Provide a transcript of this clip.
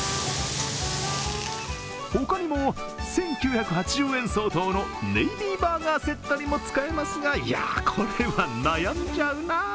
他にも、１９８０円相当のネイビーバーガーセットにも使えますがいや、これは悩んじゃうな。